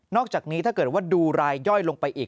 อกจากนี้ถ้าเกิดว่าดูรายย่อยลงไปอีก